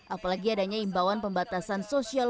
apalagi adanya imbauan pembatasan sosial